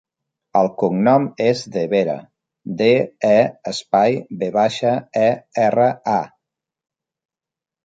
El cognom és De Vera: de, e, espai, ve baixa, e, erra, a.